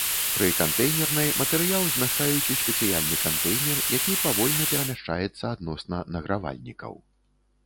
Пры кантэйнернай матэрыял змяшчаюць у спецыяльны кантэйнер, які павольна перамяшчаецца адносна награвальнікаў.